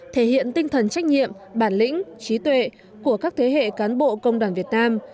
thể hiện tinh thần trách nhiệm bản lĩnh trí tuệ của các thế hệ cán bộ công đoàn việt nam